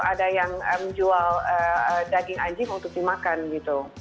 ada yang menjual daging anjing untuk dimakan gitu